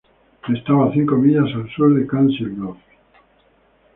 Estaba cinco millas al sur de Council Bluffs.